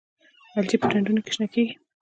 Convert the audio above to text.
الجی په ډنډونو کې شنه کیږي